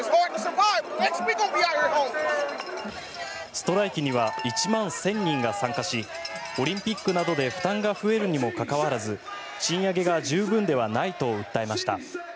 ストライキには１万１０００人が参加しオリンピックなどで負担が増えるにもかかわらず賃上げが十分ではないと訴えました。